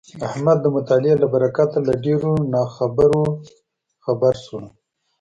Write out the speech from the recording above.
احمد د مطالعې له برکته له ډېرو ناخبرو خبر شولو.